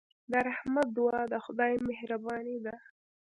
د رحمت دعا د خدای مهرباني ده.